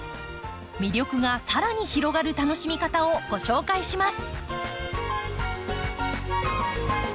魅力がさらに広がる楽しみ方をご紹介します。